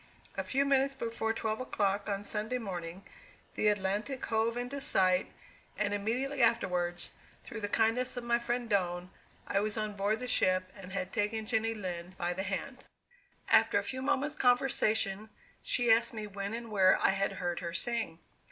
A few minutes before twelve o'clock, on Sunday morning, the Atlantic hove in sight, and immediately afterwards, through the kindness of my friend Doane, I was on board the ship, and had taken Jenny Lind by the hand. After a few moments' conversation, she asked me when and where I had heard her sing.